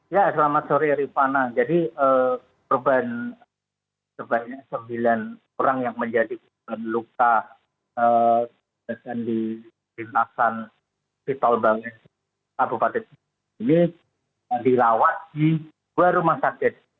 ya selamat sore ripana jadi korban sebanyak sembilan orang yang menjadi korban luka di asan di tol bawen kabupaten cina ini dilawat di dua rumah sakit